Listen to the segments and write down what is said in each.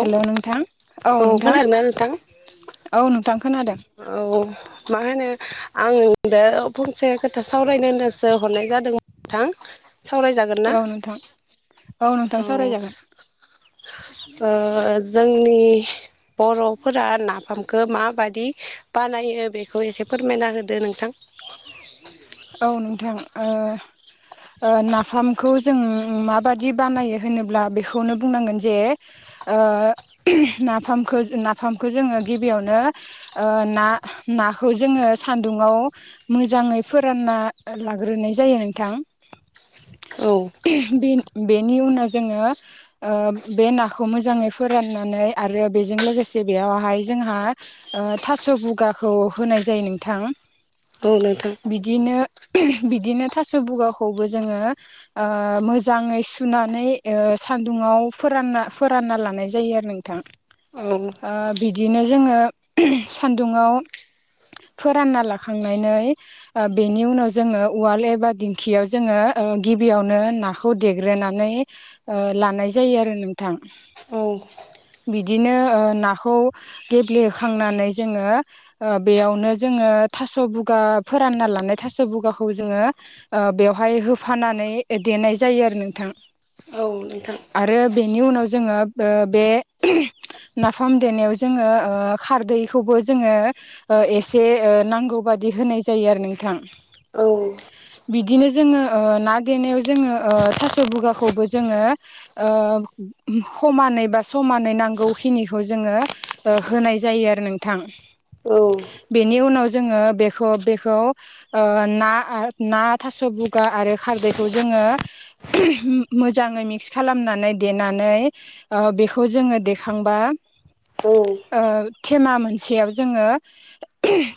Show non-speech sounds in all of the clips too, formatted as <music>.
Hello नोंथां औ नोंथां खोनादोंना नोंथां औ नोंथां खोनादों। औ मा होनो आं दायो फंसे खोथा सावरायनो होनसो हरनाय जादों नोंथां सावरायजागोन ना औ नोंथां औ नोंथां सावरायजागोन जोंनि बर'फोरा नाफामखौ माबादि बानायो बेखौ एसे फोरमायना होदो नोंथां औ नोंथां नाफामखौ जों माबादि बानायो होनोब्ला बेखौनो बुंनांगोन जे नाफामखौ नाफामखौ जोङो गिबियावनो ना नाखौ जोङो सान्दुंङाव मोजाङै फोरानना लाग्रोनाय जायो नोंथां। औ। बे बेनि उनाव जोङो बे नाखौ मोजाङै फोराननानै आरो बेजों लोगोसे बेयावहाय जोंहा थास' बुगाखौ होनाय जायो नोंथां औ नोंथां। बिदिनो बिदिनो थास' बुगाखौबो जोङो मोजाङै सुनानै सान्दुङाव फोरानना फोरानना लानाय जायो आरो नोंथां औ बिदिनो जोङो सान्दुङाव फोरानना लाखांनानै बेनि उनाव जोङो उवाल एबा दिंखियाव जोङो गिबियावनो नाखौ देग्रोनानै लानाय जायो आरो नोंथां औ बिदिनो नाखौ गेब्लेखांनानै जोङो बेयावनो जोङो थास' बुगा फोरानना लानाय थास' बगाखौ जोङो ओ बेवहाय होफानानै देनाय जायो आरो नोंथा। औ नोंथां आरो बेनि उनाव जोङो बे नाफाम देनायाव जोङो खारदैखौबो जोङो एसे नांगौ बादि होनाय जायो आरो नोंथां। औ बिदिनो जोङो ना देनायाव जोङो थास' बुगाखौबो जोङो। समानै बा समानै नांगौखिनिखौ जोङो। होनाय जायो आरो नोंथां औ बेनि उनाव जोङो बेखौ बे खौ ना ना थास' बुगा आरो खारदैखौ जोङो मोजाङै मिक्स खालामनानै देनानै बेखौ जोङो देखांबा औ मा मोनसेयाव जोङो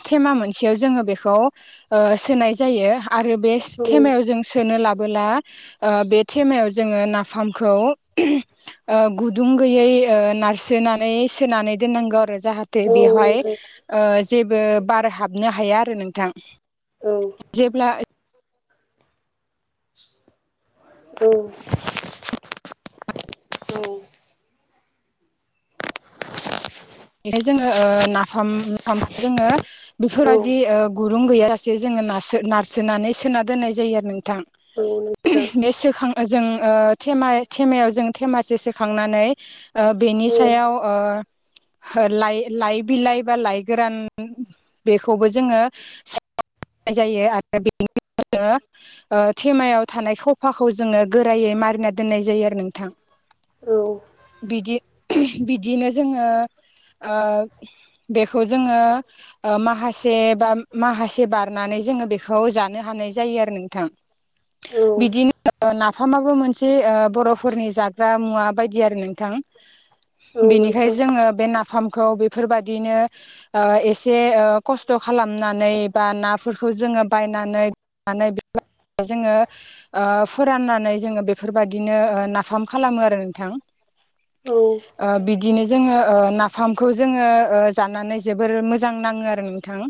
थेमा मोनसेयाव जोङो बे सोनाय जायो आरो बे खेमायाव जों सोनो लाबोला बे मायाव जोङो नाफामखौ गुदुं गैयै नारसोनानै सोनानै दोननांगौ आरो जाहाथे बेवहाय नोंथां जेबो बार हाबनो हाया आरो नोंथां औ जेब्ला औ। बेखाय जोङो नाफाम नाफामखौ जोङो बेफोरबायदि गुरुं गैयााजसे जोङो न नारसोनानै सोना दोननाय जायो आरो नोंथां औ नोंथां बे सोखां जों थेमायाव जों थेमासे सोखांनानै। बेनि सायाव ओ लाइ लाइ बिलाइ बा लाइ गोरान बेखौबो जोङो नाय जायो आरो बेनि थेमायाव थानाय खफाखौ जोङो गोरायै मारिना दोननाय जायो आरो नोंथां। औ औ बिदि बिदिनो जोङो। बेखौ जोङो। माखासे बा माखासे बारनानै जोङो बेखौ जानो हानाय जायो आरो नोंथां। <inaudible> बिदिनो नाफामाबो मोनसे बर'फोरनि जाग्रा मुवा बायदि आरो नोंथां। औ नोंथां बेनिखाय जोङो बे नाफामखौ बेफोरबायाददिनो एसे खस्थ' खालामनानै बा नाफोरखौ जोङो बायनानै बे जोङो ओ फोराननानै जोङो बेफोरबायदिनो नाफाम खालामो आरो नोंथां। औ ओ बिदिनो जोङो नाफामखौ जोङो जानानै जोबोर मोजां नाङो आरो नोंथां।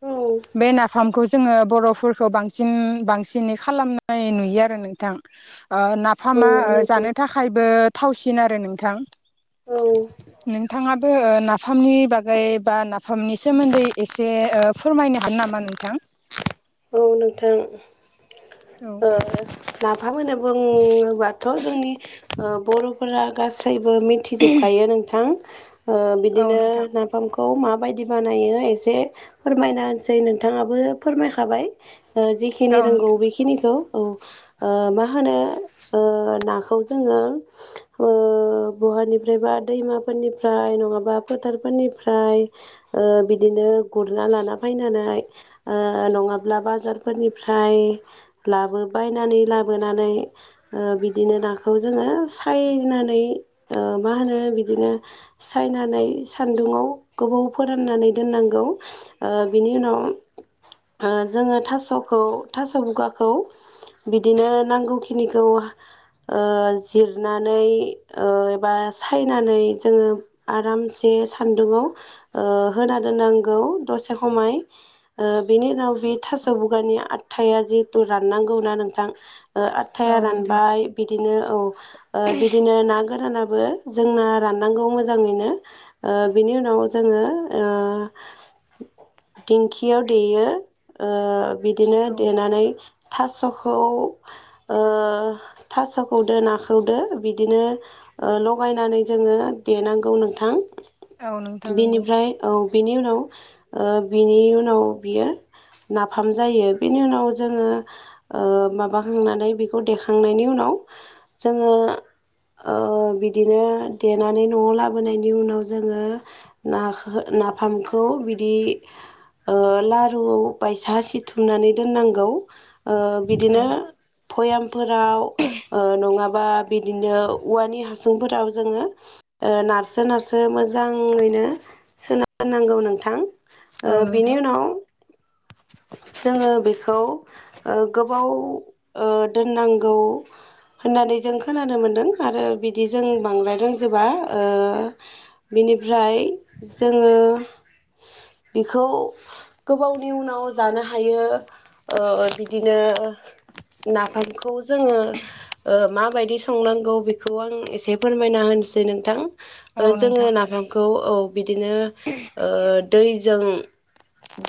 औ बे नाफामखौ जोङो बर'फोरखौ बांसिन बांसिनै खालामनाय नुयो आरो नोंथां। औ नाफामा नोंथां जानो थाखायबो थावसिन आरो नोंथां। औ नोंथाङाबो नाफामनि बागै बा नाफामनि सोमोन्दै एसे ओ फोरमायनो हागोन नामा नोंथां? औ नोंथां औ नाफाम होनो बुङोबाथ' जोंनि बर'फोरनि फोर गासैबो मिथिजोबखायो नोंथां ओ औ बिदिनो नोंथां बिफामखौ माबायदि बानायो एसे फोरमायना होनसै नोंथाङाबो फोरमायखाबाय। औ जिखिनि रोंगौ नोंथां बेखि बेखिनिखौ औ मा होनो नाखौ जोङो बहानिफ्राय बा दैमाफोरनिफ्राय नङाबा फोथारफोरनिफ्राय बिदिनो गुरना लाना फैनानै नङाब्ला बाजार फोरनिफ्राय लाबोबायनानै लाबोनानै ओ बिदिनो नाखौ जोङो सायनानै मा होनो बिदिनो सायनानै सान्दुङाव गोबाव फोराननानै दोननांगौ। बिनि उनाव जोङो थास'खौ थास' बुगाखौ बिदिनो नांगौखिनिखौ ओ जिरनानै एबा सायनानै जोङो आरामसे सान्दुाव होना दोननांगौ दसे समाय। बिनि उनाव बे थास बुगानि आटथाया जिहेतु राननांगौ ना नोंथां औ आटथाया नोंथां रानबाय बिदिनो औ बिदिनो ना गोरानाबो जोंना राननांगौ मोजाङैनो। ओ बिनि उनाव जोङो दिंखियाव देयो। ओ बिदिनो औ देनानै थास'खौ थास'खौदो नाखौदो बिदिनो लगायनानै जोङो देनांगौ नोंथां। औ नोंथां नंगौ बिनिफ्राय औ बिनि उनाव बिनि उनाव बियो नाफाम जायो बेनि उनाव जोङो माबाखांनानै बेखौ देखांनायनि उनाव जोङो बिदिनो देनानै न'आव लाबोनायनि उनाव जोङो नाखौ नाफामखौ बिदि लारु बायसा सिथुमनानै दोननांगौ औ बिदिनो पयामफोराव नङाबा बिदिनो औवानि हासुंफोराव जोङो नारसो नारसो मोजाङैनो सोनो नांगौ नोंथां। औ ओ बिनि नोंथां उनाव जोङो बेखौ गोबाव दोननांगौ। होननानै जों खोनानो मोन्दों आरो बिदि जों बांद्राय रोंजोबा ओ बिनिफ्राय जोङो बेखौ गोबाव नि उनाव जानो हायो बिदिनो नाफामखौ जोङो माबायदि संनांगौ बेखौ आं एसे फोरमायना होनोसै नोंथां औ जोङो नोंथां नाफामखौ औ बिदिनो दैजों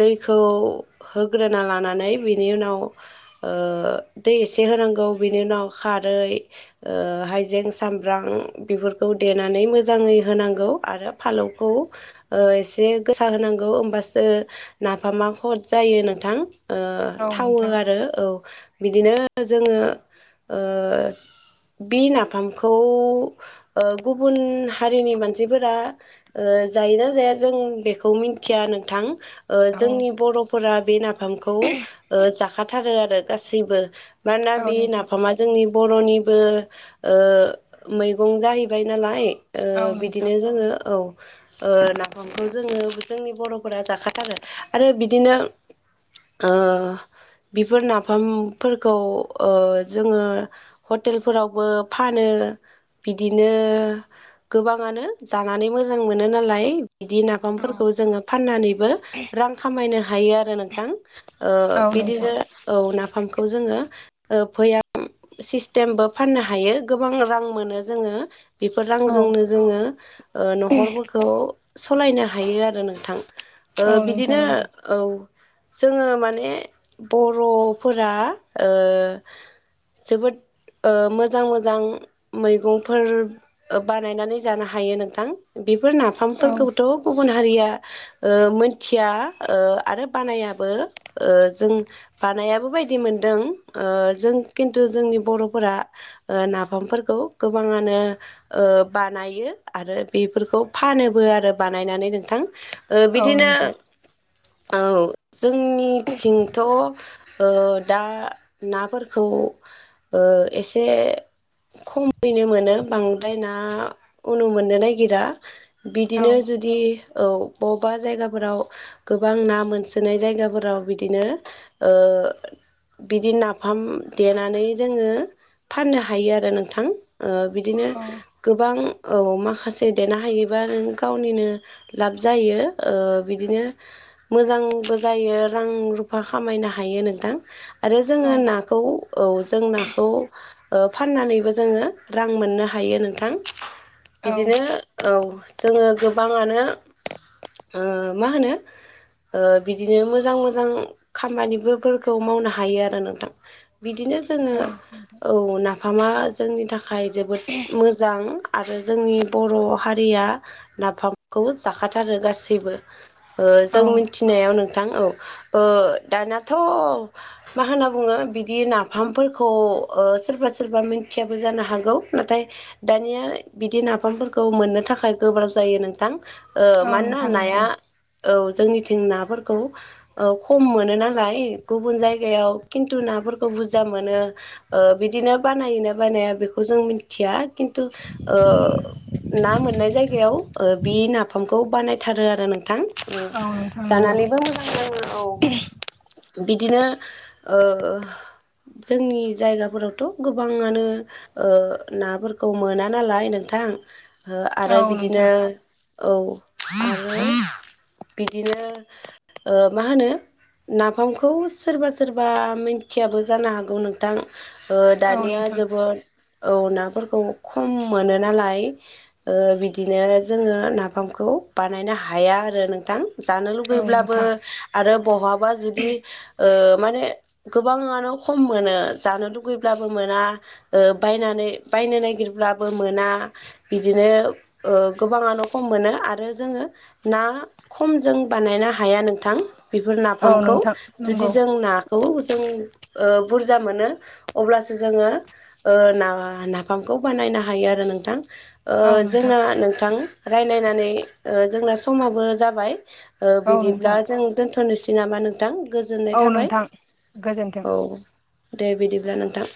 दै खौ होग्रोना लानानै बिनि उनाव ओ दै एसे होनांगौ बिनि उनाव खारै हाइजें सामब्राम बेफोरखौ देनानै मोजाङै होनांगौ आरो फालौखौ ओ एसे गोसा होनांगौ होमबासो नाफामा खद जायो नोंथां औ थावो नोंथां आरो औ बिदिनो जोङो बि नाफामखौ गुबुन हारिनि मानसिफोरा जायोना जाया जों बेखौ मिथिया नोंथां औ जोंनि बर'फोरा बे नाफामखौ जाखाथारो आरो गासैबो मा ना औ बे नोंथां नाफामा जोंनि बर'निबो मैगं जाहैबाय नालाय औ नोंथां बिदिनो जोङो औ नाफामखौ जोङो जोंनि बर'फोरा जाखाथारो आरो बिदिनो बेफोर नाफामफोरखौ जोङो हटेलफोरावबो फानो बिदिनो गोबाङानो जानानै मोजां मोनो नालाय बिदि ना औ बिफांफोरखौ जोङो फाननानैबो रां खामायनो हायो आरो नोंथां औ नोंथां बिदिनो औ नाफामखौ जोङो फैया सिस्टेमबो फाननो हायो गोबां रां मोनो जोङो बेफोर औ रांजोंनो जोङो न'खरफोरखौ सालायनो हायो आरो नोंथां ओ औ नोंथां बिदिनो नंगौ औ जोङो माने बर'फोरा जोबोद मोजां मोजां मैगंफोर बानायनानै जानो हायो नोंथां बेफोर ना औ बिफांफोरखौथ' गुबुन हारिया मोन थिया आरो बानायाबो जों बानायाबो बायदि मोनदों जों खिन्थु जोंनि बर'फोरा नाफामफोरखौ गोबाङानो बानायो आरो बेफोरखौ फानोबो आरो बानायनानै नोंथां औ बिदिनो नोंथां औ जोंनिथिंथ' दा नाफोरखौ एसे खम फैनो मोनो बांद्राय ना उनु मोननो नागिरा औ बिदिनो जुदि औ बबेबा जायगाफोराव गोबां ना मोनसोनाय जायगाफोराव बिदिनो बिदि नाफाम देनानै जोङो फाननो हायो आरो नोंथां बिदिनो अ गोबां औ माखासे देनो हायोबा नों गावनिनो लाब जायो बिदिनो मोजांबो जायो रां रुफा खामायनो हायो नोंथां आरो औ जोङो नाखौ औ जों नाखौ फाननानैबो जोङो रां मोननो हायो नोंथां औ बिदिनो औ जोङो गोबाङानो मा होनो बिदिनो मोजां मोजां खामानिफोरखौ मावनो हायो आरो नोंथां बिदिनो जोङो औ औ नाफामा जोंनि थाखाय जोबोद मोजां आरो जोंनि बर' हारि रिया नाफामखौ जाखाथारो गासैबो ओ औ जों फिनायाव नोंथां औ ओ दानाथ' मा होनना बुङो बिदि नाफामफोरखौ ओ सोरबा सोरबा मिथियाबो जानो हागौ नाथाय दानिया बिदि नाफामफोरखौ मोननो थाखाय गोब्राब जायो नोंथां ओ औ मानोना नोंथां नाया नंगौ औ जोंनिथिं नाफोरखौ औ खम मोनो नालाय गुबुन जायगायाव खिनथु नाफोरखौ बुरजा मोनो बिदिनो बानायोना बानाया बेखौ जों मिथिया खिन थु ओ ना मोननाय जायगायाव ओ बे नाफामखौ खौ बानायथारो आरो नोंथां ओ औ नोंथां नंगौ जानानैबो मोजां नाङो औ <inaudible> बिदिनो ओ जोंनि जायगाफोरावथ' गोबाङानो ओ नाफोरखौ मोना नालाय नोंथां औ आरो बिदिनो नोंथां औ आरो बिदिनो ओ मा होनो नाफामखौ सोरबा सोरबा मिनथियाबो जानो हागौ नोंथां ओ औ दानिया नोंथां जोबोद औ नाफोरखौ खम मोनो नालाय ओ बिदिनो जोङो नाफामखौ बानायनो हाया आरो थां जानो औ लुुबैब्लाबो नोंथां आरो बहाबा जुदि ओ माने गोबाङानो खम मोनो जानो लुगैब्लाबो मोना ओ बायनानै बायनो नागिरब्लाबो मोना बिदिनो ओ गोबाङानो खम मोनो आरो जोङो ना खमजों बानायनो हाया नोंथां बेफोर औ नाफामखौ नोंथां जुदि नंगौ जों ना खौ जों ओ बुरजा मोनो अब्लासो जोङो ओ नाफामखौ बानायनो हायो आरो नोंथां ओ औ नोंथां जोंना नोंथां रायलायनानै जोंना समाबो जाबाय ओ औ बिदिब्ला नोंथां जों दोनथ'नोसै नामा नोंथां गोजोननाय औ थाबाय नोंथां गोजोन्थों औ दे बिदिब्ला नोंथां